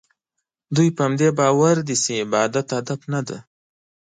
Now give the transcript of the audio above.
دوی په همدې باور دي چې عبادت هدف نه دی.